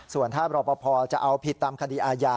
ส่วนถ้ารอปภจะเอาผิดตามคดีอาญา